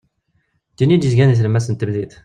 D tin i d-yezgan deg tlemmast n temdint.